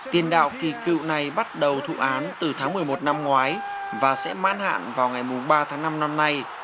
tiền đạo kỳ cựu này bắt đầu thụ án từ tháng một mươi một năm ngoái và sẽ mãn hạn vào ngày ba tháng năm năm nay